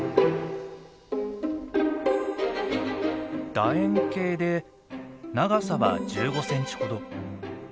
だ円形で長さは１５センチほど。